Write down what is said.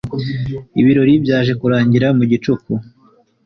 Ibirori byaje kurangira mu gicuku.